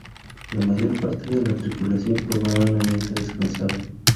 La mayor parte de la tripulación probablemente descansaba.